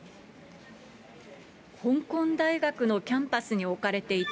香港大学のキャンパスに置かれていた、